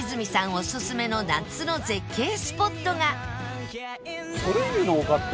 オススメの夏の絶景スポットが